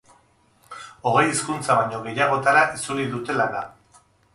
Hogei hizkuntza baino gehiagotara itzuli dute lana.